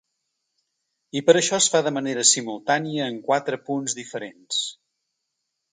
I per això es fa de manera simultània en quatre punts diferents.